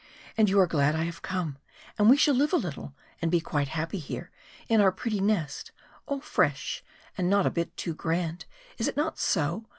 And you are glad I have come, and we shall live a little and be quite happy here in our pretty nest, all fresh and not a bit too grand is it not so?